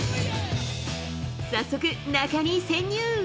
早速、中に潜入。